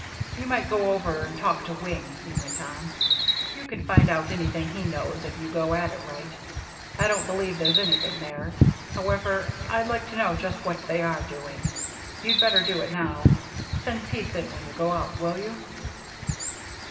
"You might go over and talk to Wing," he went on. "You can find out anything he knows if you go at it right. I don't believe there's anything there. However, I'd like to know just what they are doing. You'd better do it now. Send Pease in when you go out, will you?"